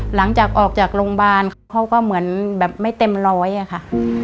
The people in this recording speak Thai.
หลังจากออกจากโรงพยาบาลเขาก็เหมือนแบบไม่เต็มร้อยอะค่ะ